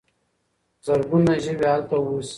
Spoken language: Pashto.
زرګونه ژوي هلته اوسي.